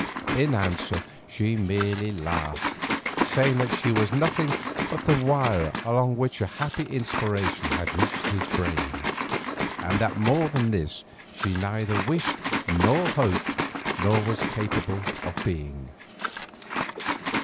In answer she merely laughed, saying that she was nothing but the wire along which a happy inspiration had reached his brain, and that more than this she neither wished, nor hoped, nor was capable of being.